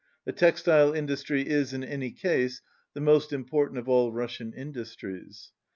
The textile industry is, in any case, the most important of all Russian industries.